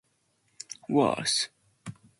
I'm sure some college students have done worse.